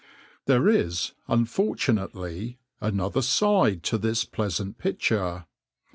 "\par There is, unfortunately, another side to this pleasant picture.